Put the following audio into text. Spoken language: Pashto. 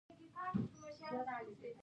چا چې له ماشومتوبه ته ورته ډېر ګران وې.